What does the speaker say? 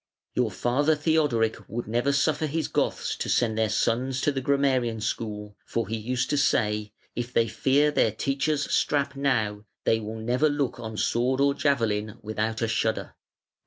Your father Theodoric would never suffer his Goths to send their sons to the grammarian school, for he used to say: 'If they fear their teacher's strap now they will never look on sword or javelin without a shudder.'